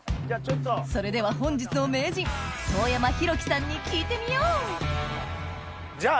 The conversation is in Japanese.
それでは本日の名人當山博己さんに聞いてみようじゃあ